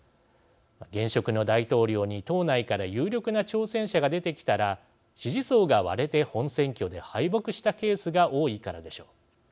現職の大統領に党内から有力な挑戦者が出てきたら支持層が割れて本選挙で敗北したケースが多いからでしょう。